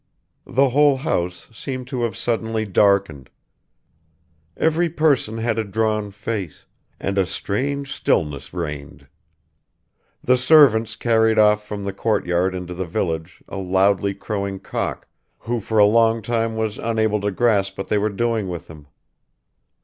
The whole house seemed to have suddenly darkened; every person had a drawn face and a strange stillness reigned; the servants carried off from the courtyard into the village a loudly crowing cock, who for a long time was unable to grasp what they were doing with him.